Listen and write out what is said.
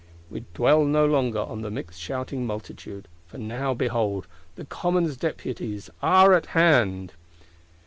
We dwell no longer on the mixed shouting Multitude: for now, behold, the Commons Deputies are at hand!